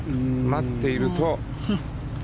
待っていると。